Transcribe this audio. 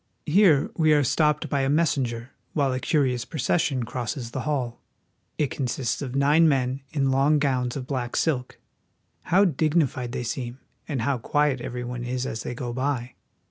Here we are stopped by a messenger while a curious procession crosses the hall. It consists of nine men in long gowns of black silk. How dignified they seem, and how qfiiet every one is as they go by!